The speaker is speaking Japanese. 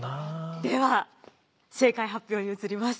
では正解発表に移ります。